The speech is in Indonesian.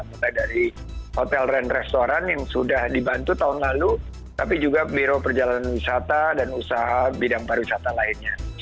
mulai dari hotel dan restoran yang sudah dibantu tahun lalu tapi juga biro perjalanan wisata dan usaha bidang pariwisata lainnya